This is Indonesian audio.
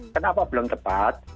kenapa belum tepat